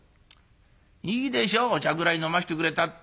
いいでしょお茶ぐらい飲ましてくれたって。